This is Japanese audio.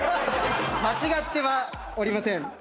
間違ってはおりません。